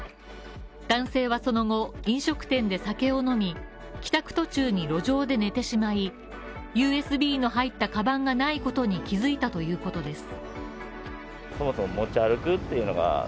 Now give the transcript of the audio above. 男性はその後、飲食店で酒を飲み、帰宅途中に路上で寝てしまいＵＳＢの入ったカバンがないことに気づいたということです。